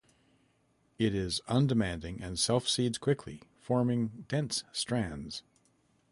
It is undemanding and self seeds quickly, forming dense stands.